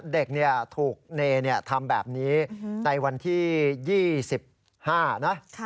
เด็กถูกเนทำแบบนี้ในวันที่๒๕นะ